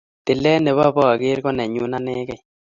Tilet nebo bakeer ko nenyu anekei